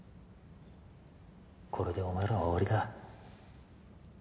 これでお前らは終わりだ。